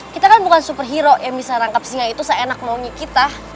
kita kan bukan superhero yang bisa rangkap singa itu seenak maunya kita